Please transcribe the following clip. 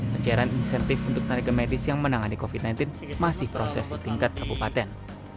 pencairan insentif untuk tenaga medis yang menangani covid sembilan belas masih proses di tingkat kabupaten